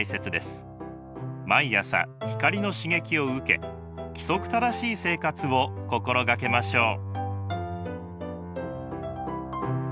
毎朝光の刺激を受け規則正しい生活を心がけましょう。